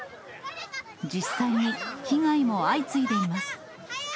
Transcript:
実際に被害も相次いでいます。